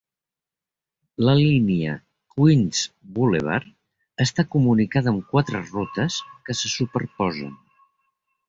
La línia Queens Boulevard està comunicada amb quatre rutes que se superposen.